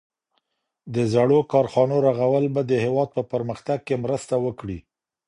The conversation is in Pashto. د زړو کارخانو رغول به د هیواد په پرمختګ کي مرسته وکړي.